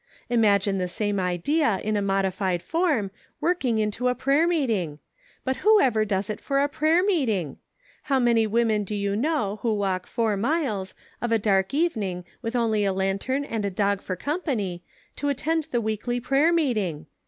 Imagine the same idea in a modified form, worked ir.to a prayer meeting ! but who ever does it for a prayer meeting ? How many women do you know who walk four miles, of a dark even ing with only a lantern and a dog for company, to attend the weekly prayer meeting